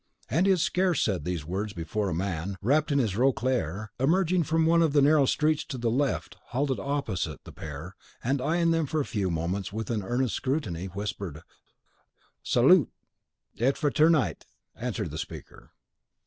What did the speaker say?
He had scarce said these words before a man, wrapped in his roquelaire, emerging from one of the narrow streets to the left, halted opposite the pair, and eying them for a few moments with an earnest scrutiny, whispered, "Salut!" "Et fraternite," answered the speaker.